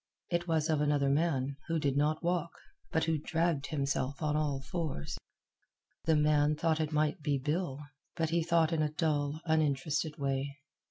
It was of another man, who did not walk, but who dragged himself on all fours. The man thought it might be Bill, but he thought in a dull, uninterested way.